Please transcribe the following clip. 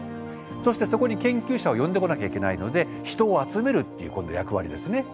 そしてそこに研究者を呼んでこなきゃいけないので人を集めるっていう今度役割ですね。